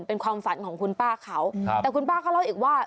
เป็นความฝันของคุณป้าเขาแต่คุณป้าเขาเล่าอีกว่า